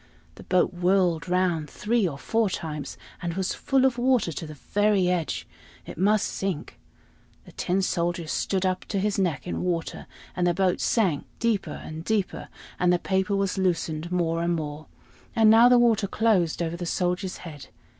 The boat whirled round three or four times, and was full of water to the very edge it must sink. The Tin Soldier stood up to his neck in water, and the boat sank deeper and deeper, and the paper was loosened more and more; and now the water closed over the soldier's head.